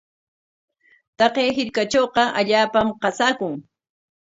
Taqay hirkatrawqa allaapam qasaakun.